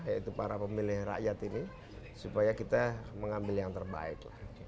yaitu para pemilih rakyat ini supaya kita mengambil yang terbaik lah